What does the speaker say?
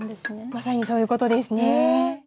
まさにそういうことですね。